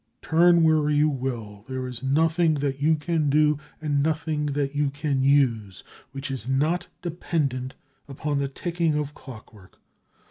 Turn where you will, there is nothing that you can do and nothing that you can use which is not dependent upon the ticking of clockwork.